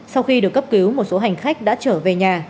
sau khi được cấp cứu một số hành khách đã trở về nhà